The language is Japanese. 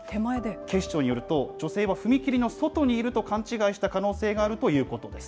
警視庁によると、女性は踏切の外にいると勘違いした可能性があるということです。